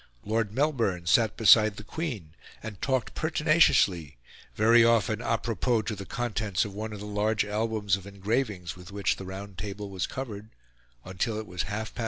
Lord Melbourne sat beside the Queen, and talked pertinaciously very often a propos to the contents of one of the large albums of engravings with which the round table was covered until it was half past eleven and time to go to bed.